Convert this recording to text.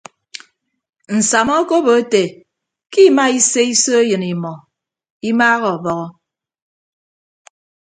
Nsama okobo ete ke ima ise iso eyịn emọ imaaha ọbọhọ.